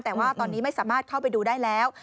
แต่ว่าตอนนี้ไม่สามารถเข้าไปดูได้แล้ว